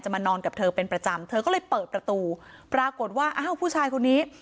มานอนกับเธอเป็นประจำเธอก็เลยเปิดประตูปรากฏว่าอ้าวผู้ชายคนนี้